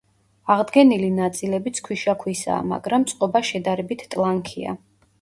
აღდგენილი ნაწილებიც ქვიშაქვისაა, მაგრამ წყობა შედარებით ტლანქია.